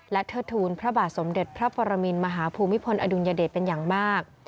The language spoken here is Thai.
เทิดทูลพระบาทสมเด็จพระปรมินมหาภูมิพลอดุลยเดชเป็นอย่างมาก